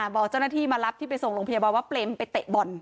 บอกเจ้าหน้าที่มารับที่ไปส่งโรงพยาบาลว่าเปรมไปเตะบอล